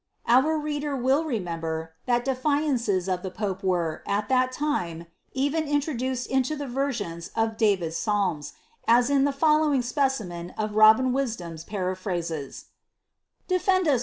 '' Our reader will remember that defiances of the pope were, at that time, even introduced into the versions of David's psalms, as in the following specimen of Robin Wisdom's paraphrases :—Defend as.